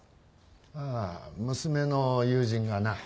ああ娘の友人がな。